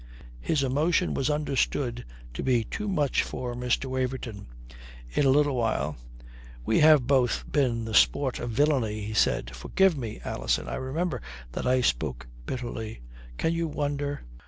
His emotion was understood to be too much for Mr. Waverton. In a little while, "We have both been the sport of villainy," he said. "Forgive me, Alison. I remember that I spoke bitterly. Can you wonder?